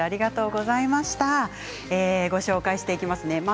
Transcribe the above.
ご紹介していきます。